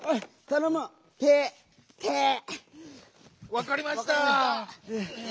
わかりました！